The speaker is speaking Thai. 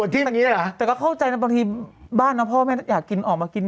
แต่ก็เข้าใจนะบางทีบ้านนะพ่อแม่อยากกินออกมากิน